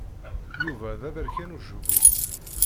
Yuba d aberkan ucebbub.